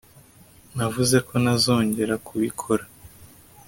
Navuze ko ntazongera kubikora